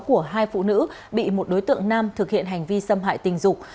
của hai phụ nữ bị một đối tượng nam thực hiện hành vi xâm hại tình dục